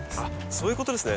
そういうことですね。